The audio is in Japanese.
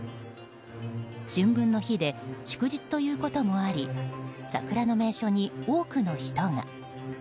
春分の日で祝日ということもあり桜の名所に多くの人が。